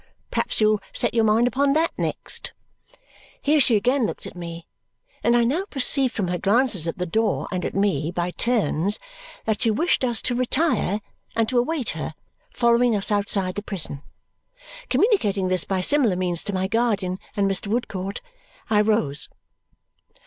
Perhaps you'll set your mind upon THAT next." Here she again looked at me, and I now perceived from her glances at the door and at me, by turns, that she wished us to retire and to await her following us outside the prison. Communicating this by similar means to my guardian and Mr. Woodcourt, I rose.